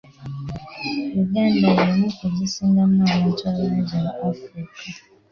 Uganda y'emu ku zisingamu abantu abato mu Africa.